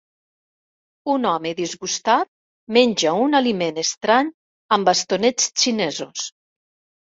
Un home disgustat menja un aliment estrany amb bastonets xinesos.